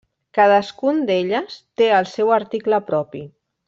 Cadascun d'elles té el seu article propi.